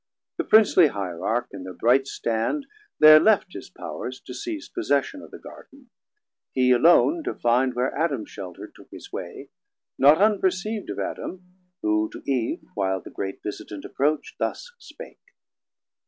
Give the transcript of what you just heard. The Princely Hierarch 220 In thir bright stand, there left his Powers to seise Possession of the Garden; hee alone, To finde where Adam shelterd, took his way, Not unperceav'd of Adam, who to Eve, While the great Visitant approachd, thus spake.